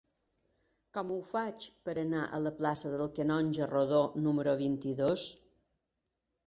Com ho faig per anar a la plaça del Canonge Rodó número vint-i-dos?